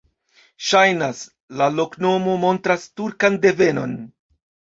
Ŝajnas, la loknomo montras turkan devenon.